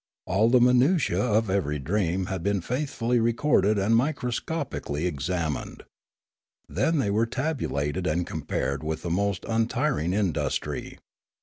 All the minutiae of every dream had been faithfully recorded and microscopically examined. Then they were tabulated and compared with the most untiring industry.